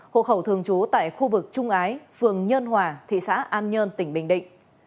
hộ khẩu thường chú tại khu vực trung ái phường nhơn hòa thị xã an nhơn tỉnh bình định